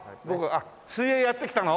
あっ水泳やってきたの？